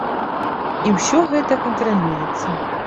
І ўсё гэта кантралюецца.